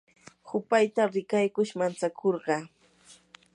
hupayta rikaykush mantsakurqa.